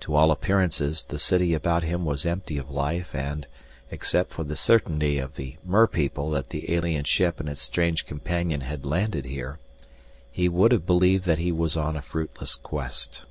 To all appearances the city about him was empty of life and, except for the certainty of the merpeople that the alien ship and its strange companion had landed here, he would have believed that he was on a fruitless quest.